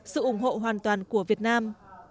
sự ủng hộ hoàn toàn của việt nam